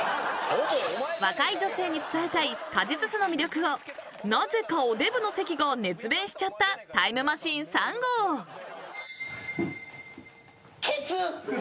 ［若い女性に伝えたい果実酢の魅力をなぜかおデブの関が熱弁しちゃったタイムマシーン３号］ケツ！